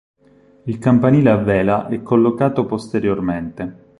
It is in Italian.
Il campanile a vela è collocato posteriormente.